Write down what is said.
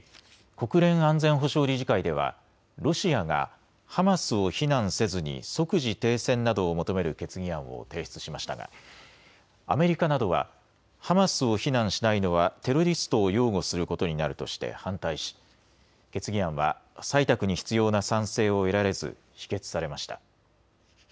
国連安全保障理事会ではロシアがハマスを非難せずに即時停戦などを求める決議案を提出しましたがアメリカなどはハマスを非難しないのはテロリストを擁護することになるとして反対し決議案は採択に必要な賛成を得られず否決されました。